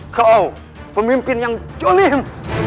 kau pemimpin yang jolim